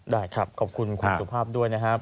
ได้ครับขอบคุณคุณสุภาพด้วยนะครับ